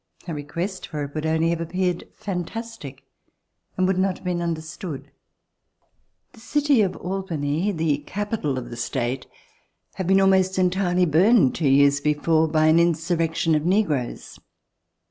A request for it would only have appeared fantastic and would not have been understood. The city of Albany, the capital of the state, had been almost entirely burned two years before by an insurrection of negroes.